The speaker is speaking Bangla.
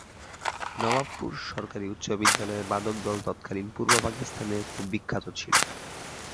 নবাবপুর সরকারি উচ্চ বিদ্যালয়ের বাদক দল তৎকালীন পূর্ব পাকিস্তানের খুব বিখ্যাত ছিল।